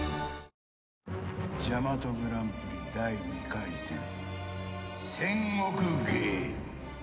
ジャマトグランプリ第２回戦戦国ゲーム。